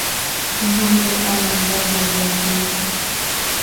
mahamri au Maandazi ya viazi lishe